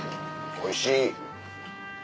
おいしい。